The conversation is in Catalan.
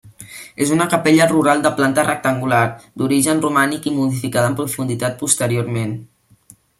És una capella rural de planta rectangular, d'origen romànic i modificada en profunditat posteriorment.